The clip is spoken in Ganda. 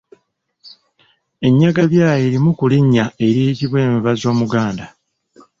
Ennyagabyayi limu ku linnya eriyitibwa enva z’omuganda.